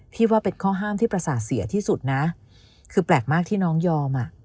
ว่าเป็นข้อห้ามที่ประสาทเสียที่สุดนะคือแปลกมากที่น้องยอมอ่ะ